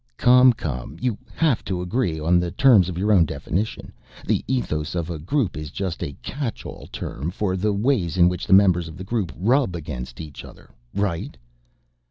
"Come, come you have to agree on the terms of your own definition. The ethos of a group is just a catch all term for the ways in which the members of a group rub against each other. Right?"